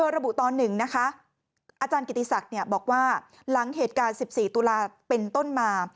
ระบุตอน๑นะคะอาจารย์กิติศักดิ์บอกว่าหลังเหตุการณ์๑๔ตุลาเป็นต้นมา